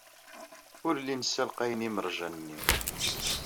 Ur llin ssalqayen imerjan-nni.